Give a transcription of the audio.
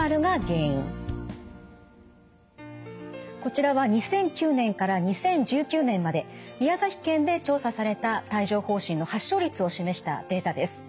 こちらは２００９年から２０１９年まで宮崎県で調査された帯状ほう疹の発症率を示したデータです。